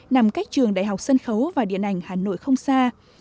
là một nhà nghệ sĩ ưu tố và điện ảnh hà nội không xa